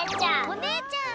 お姉ちゃん！